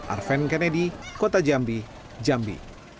arven kennedy kota jambi jambi